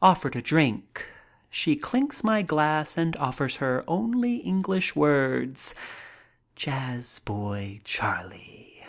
Offered a drink, she clinks my glass and offers her only English words, "Jazz boy Charlie."